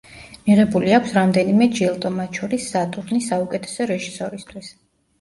მიღებული აქვს რამდენიმე ჯილდო, მათ შორის სატურნი საუკეთესო რეჟისორისთვის.